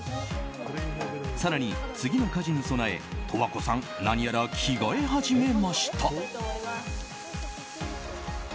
更に次の家事に備え、十和子さん何やら着替え始めました。